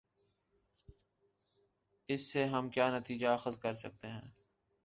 اس سے ہم کیا نتیجہ اخذ کر سکتے ہیں۔